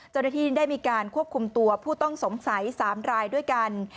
เจ้าหน้าที่ได้มีการควบคุมตัวผู้ต้องสงสัย๓รายด้วยกัน